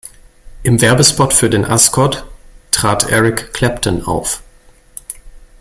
Im Werbespot für den Ascot trat Eric Clapton auf.